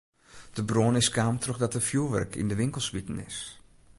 De brân is kaam trochdat der fjoerwurk yn de winkel smiten is.